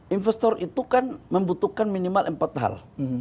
investor itu kan membutuhkan minimal empat hal